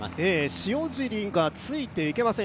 塩尻がついていけません。